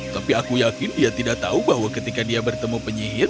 tapi aku yakin ia tidak tahu bahwa ketika dia bertemu penyihir